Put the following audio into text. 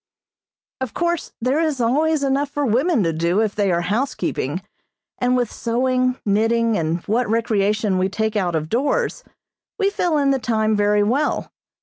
Of course there is always enough for women to do if they are housekeeping, and with sewing, knitting and what recreation we take out of doors, we fill in the time very well.